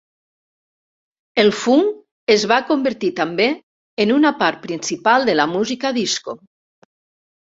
El funk es va convertir també en una part principal de la música disco.